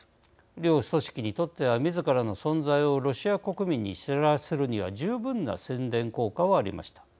両組織にとってはみずからの存在をロシア国民に知らせるには十分な宣伝効果はありました。